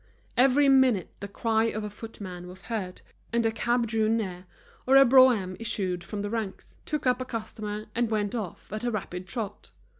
Every minute the cry of a footman was heard, and a cab drew near, or a brougham issued from the ranks, took up a customer, and went off at a rapid trot.